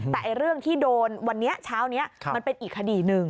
แต่เรื่องที่โดนวันนี้เช้านี้มันเป็นอีกคดีหนึ่ง